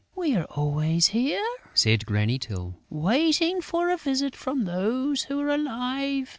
"We are always here," said Granny Tyl, "waiting for a visit from those who are alive.